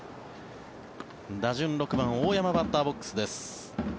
打順、６番大山、バッターボックスです。